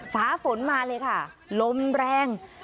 ฟ้าฝนมาเลยค่ะลมแรง